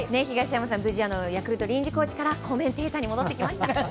東山さん、無事ヤクルト臨時コーチからコメンテーターに戻ってきましたよ。